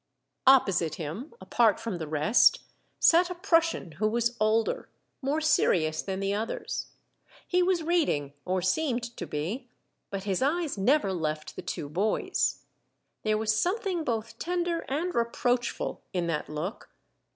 Opposite him, apart from the rest, sat a Prussian who was older, more serious than the others. He was reading, or seemed to be, but his eyes never left the two boys. There was something both tender and reproachful in that look.